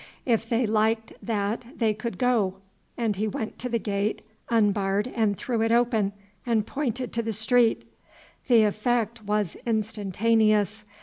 If they liked that they could go, and he went to the gate, unbarred and threw it open, and pointed to the street. The effect was instantaneous.